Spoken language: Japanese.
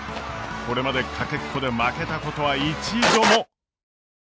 これまでかけっこで負けたことは一度も。